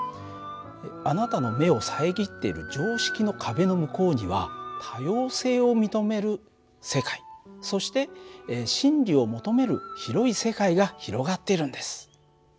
あなたの目を遮っている常識の壁の向こうには多様性を認める世界そして真理を求める広い世界が広がっているんです。